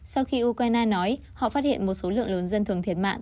sau khi ukraine nói họ phát hiện một số lượng lớn dân thường thiệt mạng